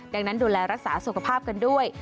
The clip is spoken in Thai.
ดังนั้นดูแลรักษาสุขภาพกันด้วย